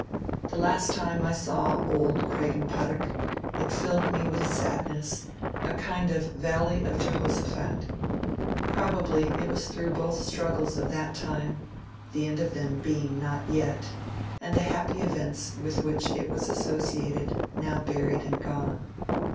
The last time I saw old Craigen puttoch it filled me with sadness, — a kind of valley of Je hoshaphat. Probably it was through both the struggles of that time, the end of them being not yet, and the happy events with which it was associated, now buried and gone.